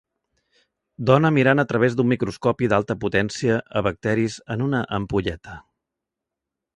Dona mirant a través d'un microscopi d'alta potència a bacteris en una ampolleta